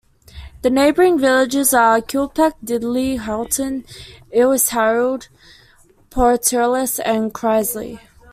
The neighbouring villages are Kilpeck, Didley, Howton, Ewyas Harold, Pontrilas and Crizeley.